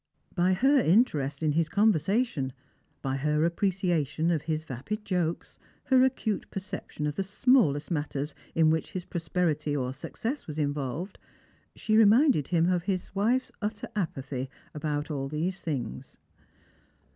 By her interest in his conversation, by her appreciation of his vapid jokes, her acute perception of the smallest matters in which his prosperity or success was involved, she reminded him of his wife's utter apathy about all these things.